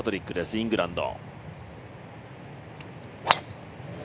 イングランド。